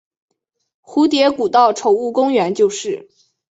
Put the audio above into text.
蝴蝶谷道宠物公园就是。